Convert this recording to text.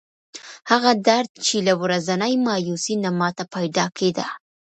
هغه درد چې له ورځنۍ مایوسۍ نه ماته پیدا کېده.